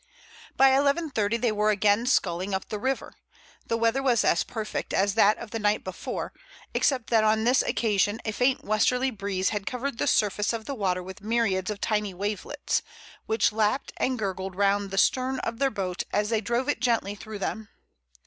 By eleven thirty they were again sculling up the river. The weather was as perfect as that of the night before, except that on this occasion a faint westerly breeze had covered the surface of the water with myriads of tiny wavelets, which lapped and gurgled round the stem of their boat as they drove it gently through them.